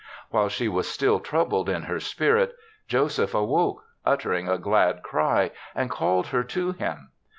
While she was still troubled in her spirit, Joseph awoke, uttering a glad cry, and called her to him.